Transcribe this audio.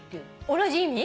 同じ意味？